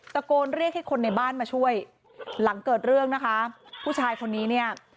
ตะโกนเรียกให้คนในบ้านมาช่วยหลังเกิดเรื่องนะคะผู้ชายคนนี้เนี่ย